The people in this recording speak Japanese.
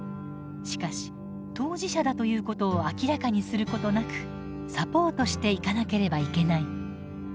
しかし当事者だということを明らかにすることなくサポートしていかなければいけない。